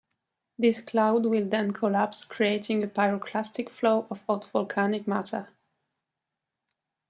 This cloud will then collapse, creating a pyroclastic flow of hot volcanic matter.